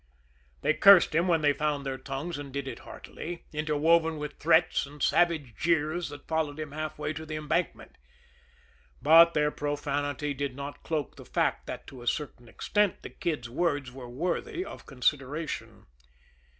They cursed him when they found their tongues, and did it heartily, interwoven with threats and savage jeers that followed him halfway to the embankment. But their profanity did not cloak the fact that, to a certain extent, the Kid's words were worthy of consideration.